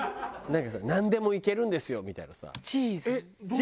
なんかさなんでもいけるんですよみたいなさ。